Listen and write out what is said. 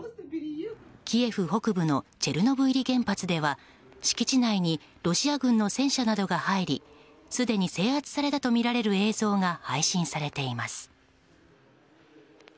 キエフ北部のチェルノブイリ原発では敷地内にロシア軍の戦車などが入りすでに制圧されたとみられる映像が配信されています。